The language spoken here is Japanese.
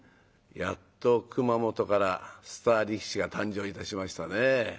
やっと熊本からスター力士が誕生いたしましたね。